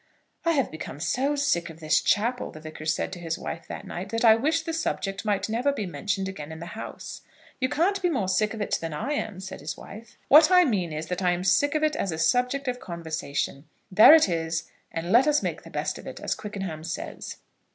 "I have become so sick of this chapel," the Vicar said to his wife that night, "that I wish the subject might never be mentioned again in the house." "You can't be more sick of it than I am," said his wife. "What I mean is, that I'm sick of it as a subject of conversation. There it is, and let us make the best of it, as Quickenham says."